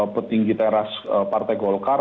petinggi teras partai golkar